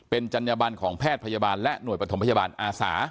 เป็นจัญญบันของแพทย์พยาบาลและหน่วยปฐมพยาบาลอาสา